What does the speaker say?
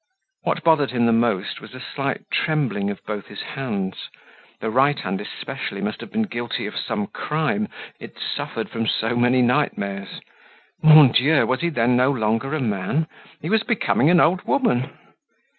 What bothered him the most was a slight trembling of both his hands; the right hand especially must have been guilty of some crime, it suffered from so many nightmares. Mon Dieu! was he then no longer a man? He was becoming an old woman!